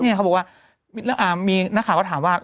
เขาบอกว่ามีนักข่าวก็ถามว่า